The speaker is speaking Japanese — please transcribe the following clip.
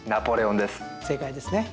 正解ですね。